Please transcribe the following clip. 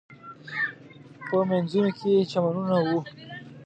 په مینځونو کې یې چمنونه و.